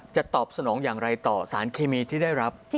ตอบสนองอย่างไรต่อสารเคมีที่ได้รับ